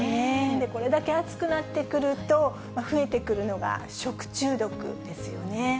これだけ暑くなってくると、増えてくるのが食中毒ですよね。